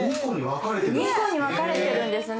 ２個にわかれてるんですね。